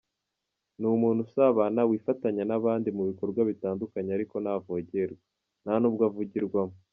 Ni umuntu usabana, wifatanya n’abandi mu bikorwa bitandukanye ariko ntavogerwa, nta nubwo avugirwamo.